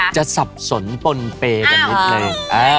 จะสับสนปนเปกันนิดนึง